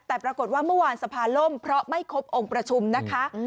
แต่ปรากฏว่าเมื่อวานสภาล่มเพราะไม่ครบองค์ประชุมนะคะ